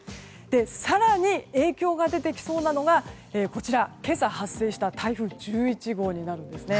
更に影響が出てきそうなのが今朝発生した台風１１号です。